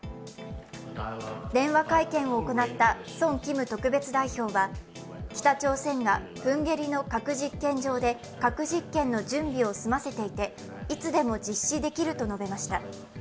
電話会見を行ったソン・キム特別代表は、北朝鮮がプンゲリの核実験場で核実験の準備を済ませていて、いつでも実施できると述べました。